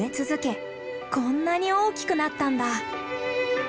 こんなに大きくなったんだ。